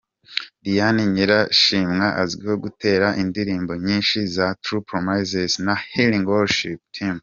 Diane Nyirashimwe azwiho gutera indirimbo nyinshi za True Promises na Healing Worship team.